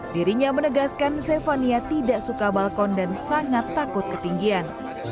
dirinya menegaskan zefania tidak suka balkon dan sangat takut ketinggian